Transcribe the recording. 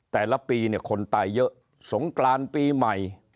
แต่ละปีเนี่ยคนตายเยอะสงกรานปีใหม่